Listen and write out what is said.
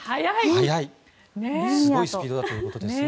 すごいスピードだということですね。